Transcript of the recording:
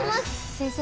先生